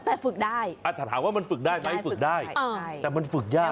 แต่ฝึกได้ถ้าถามว่ามันฝึกได้ไหมฝึกได้แต่มันฝึกยาก